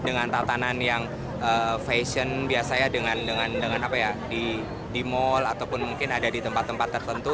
dengan tatanan yang fashion biasanya dengan apa ya di mall ataupun mungkin ada di tempat tempat tertentu